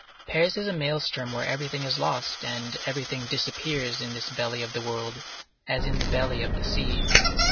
Paris is a maelstrom where everything is lost, and everything disappears in this belly of the world, as in the belly of the sea.